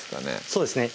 そうですね